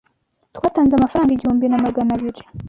Twatanze amafaranga igihumbi na magana abiri